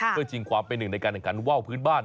เพื่อชิงความเป็นหนึ่งในการแข่งขันว่าวพื้นบ้าน